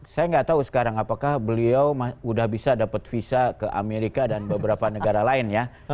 saya nggak tahu sekarang apakah beliau sudah bisa dapat visa ke amerika dan beberapa negara lain ya